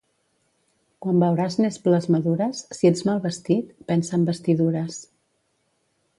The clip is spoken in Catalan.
Quan veuràs nesples madures, si ets mal vestit, pensa en vestidures.